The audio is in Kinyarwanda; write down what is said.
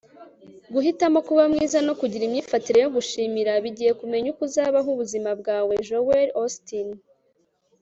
guhitamo kuba mwiza no kugira imyifatire yo gushimira bigiye kumenya uko uzabaho ubuzima bwawe. - joel osteen